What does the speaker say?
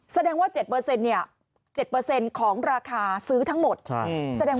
แสดงว่าเจ็ดเปอร์เซ็นต์เนี่ยเจ็ดเปอร์เซ็นต์ของราคาซื้อทั้งหมด